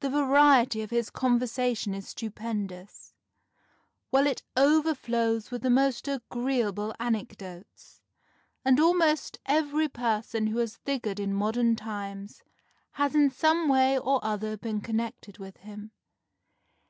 The variety of his conversation is stupendous, while it overflows with the most agreeable anecdotes, and almost every person who has figured in modern times has in some way or other been connected with him.